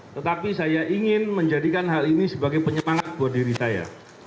tetapi saya ingin menjadikan hal ini sebagai penyemangat buat diri saya